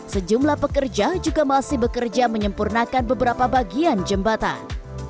sejumlah pekerja juga masih bekerja menyempurnakan beberapa bagian jembatan